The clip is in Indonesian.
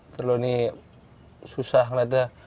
telur ini susah melihatnya